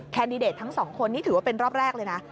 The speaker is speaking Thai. แดดิเดตทั้งสองคนนี่ถือว่าเป็นรอบแรกเลยนะ